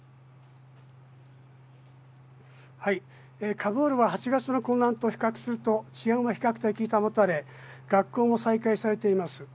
カブールは８月の混乱と比較すると治安も比較的保たれ学校も再開されています。